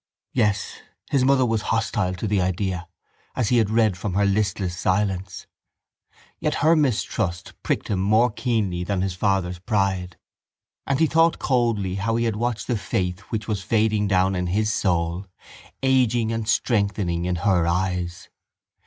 Yes, his mother was hostile to the idea, as he had read from her listless silence. Yet her mistrust pricked him more keenly than his father's pride and he thought coldly how he had watched the faith which was fading down in his soul ageing and strengthening in her eyes.